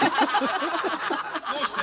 どうして？